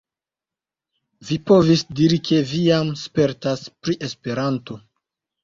Vi povis diri ke vi jam spertas pri Esperanto.